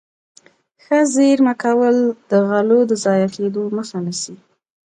ښه زيرمه کول د غلو د ضايع کېدو مخه نيسي.